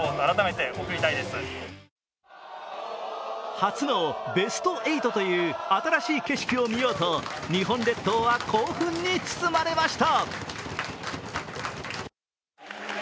初のベスト８という新しい景色を見ようと日本列島は興奮に包まれました。